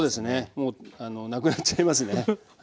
もうなくなっちゃいますんでね。